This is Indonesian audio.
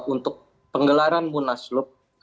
untuk penggelaran munaslup